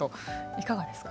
いかがですか。